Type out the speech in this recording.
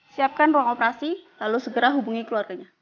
siapkan ruang operasi lalu segera hubungi keluarganya